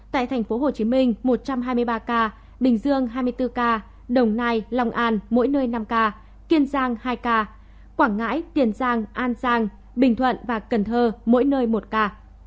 trong ngày ghi nhận một trăm sáu mươi bốn ca tử vong tại tp hcm một trăm hai mươi ba ca bình dương hai mươi bốn ca đồng nai lòng an mỗi nơi năm ca kiên giang hai ca quảng ngãi tiền giang an giang bình thuận và cần thơ mỗi nơi một ca